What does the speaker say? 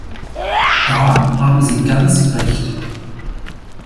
Da haben Sie ganz Recht.